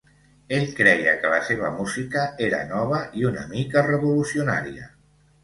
Ell creia que la seva música era nova i una mica revolucionaria.